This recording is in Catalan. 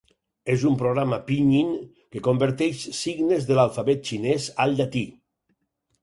És un programa Pinyin que converteix signes de l'alfabet xinès al llatí.